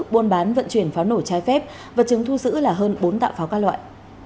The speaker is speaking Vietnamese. buôn bán vận chuyển pháo nổ trái phép vật chứng thu sữ là hơn bốn tạo pháo ca loại